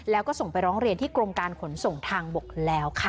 แล้วก็ส่งไปร้องเรียนที่กรมการขนส่งทางบกแล้วค่ะ